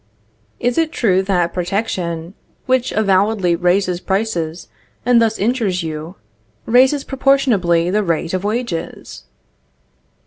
Is it true that protection, which avowedly raises prices, and thus injures you, raises proportionably the rate of wages?